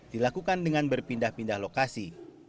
dilakukan dengan berpindah pindah lokasi